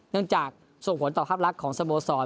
เนื่องจากส่งผลต่อครับลักษณ์ของสโมสร